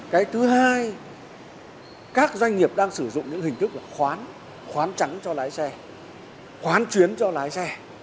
cái thứ hai các doanh nghiệp đang sử dụng những hình thức là khoán khoán trắng cho lái xe khoán chuyến cho lái xe